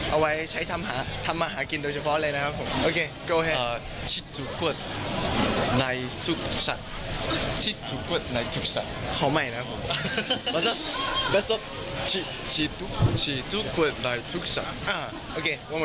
เอาไว้ใช้ทำมาหากินโดยเฉพาะเลยนะครับผม